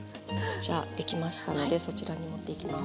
じゃあできましたのでそちらに持っていきます。